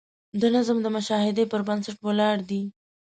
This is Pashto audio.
دا نظم د مشاهدې پر بنسټ ولاړ دی.